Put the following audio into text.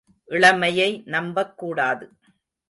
இளமையை நம்பக் கூடாது.